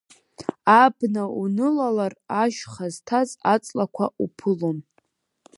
Абна унылалар ашьха зҭаз аҵлақәа уԥылон!